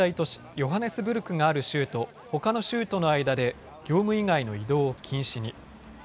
ヨハネスブルクがある州とほかの州との間で業務以外の移動を禁止に。